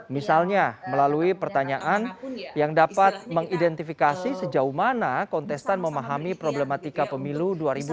misalnya melalui pertanyaan yang dapat mengidentifikasi sejauh mana kontestan memahami problematika pemilu dua ribu dua puluh